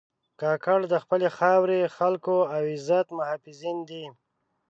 کاکړ د خپلې خاورې، خلکو او عزت محافظین دي.